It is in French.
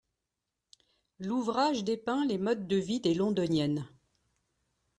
L'ouvrage dépeint les modes de vie des Londoniennes.